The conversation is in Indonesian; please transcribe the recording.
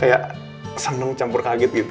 kayak seneng campur kaget gitu